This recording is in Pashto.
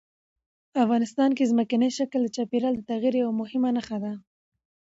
افغانستان کې ځمکنی شکل د چاپېریال د تغیر یوه مهمه نښه ده.